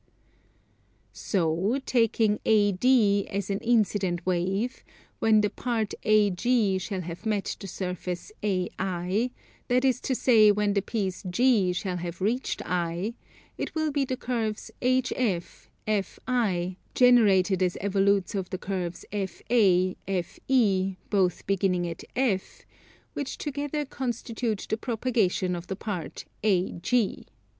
So, taking AD as an incident wave, when the part AG shall have met the surface AI, that is to say when the piece G shall have reached I, it will be the curves HF, FI, generated as evolutes of the curves FA, FE, both beginning at F, which together constitute the propagation of the part AG.